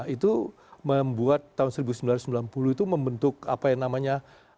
itu membuat tahun seribu sembilan ratus sembilan puluh itu membentuk apa yang namanya